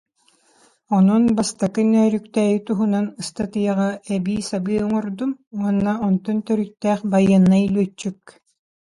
Онон Бастакы Нөөрүктээйи туһунан ыстатыйаҕа эбии-сабыы оҥордум уонна онтон төрүттээх байыаннай лүөччүк